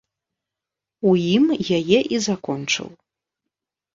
У ім яе і закончыў.